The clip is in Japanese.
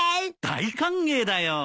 大歓迎だよ。